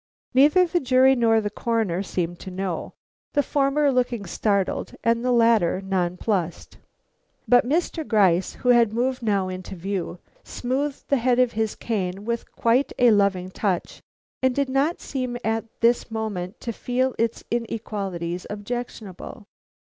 Neither the jury nor the Coroner seemed to know, the former looking startled and the latter nonplussed. But Mr. Gryce, who had moved now into view, smoothed the head of his cane with quite a loving touch, and did not seem at this moment to feel its inequalities objectionable.